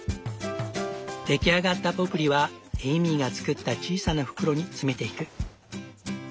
出来上がったポプリはエイミーが作った小さな袋に詰めていく。